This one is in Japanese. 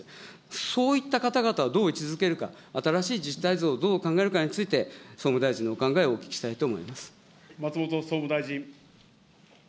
そういった方々をどう位置づけるか、新しい自治体像をどう考えるかについて、総務大臣のお考えをお聞きしたいと思います。